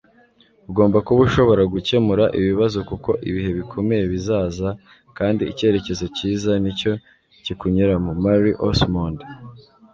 ugomba kuba ushobora gukemura ibibazo kuko ibihe bikomeye bizaza, kandi icyerekezo cyiza nicyo kikunyuramo. - marie osmond